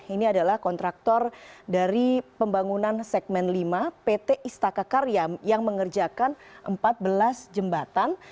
ini adalah kontraktor dari pembangunan segmen lima pt istaka karya yang mengerjakan empat belas jembatan